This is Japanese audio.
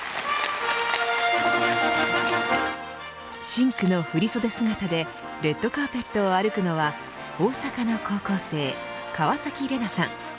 深紅の振り袖姿でレッドカーペットを歩くのは大阪の高校生、川崎レナさん。